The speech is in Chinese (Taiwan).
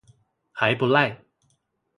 還不賴